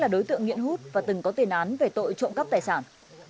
đối tượng nghiện hút và từng có tiền án về tội trộm cắt tài sản